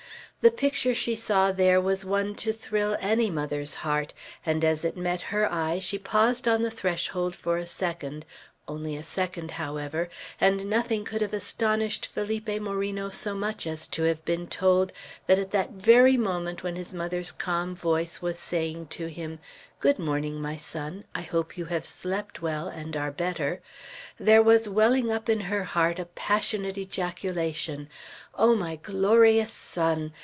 The picture she saw there was one to thrill any mother's heart; and as it met her eye, she paused on the threshold for a second, only a second, however; and nothing could have astonished Felipe Moreno so much as to have been told that at the very moment when his mother's calm voice was saying to him, "Good morning, my son, I hope you have slept well, and are better," there was welling up in her heart a passionate ejaculation, "O my glorious son!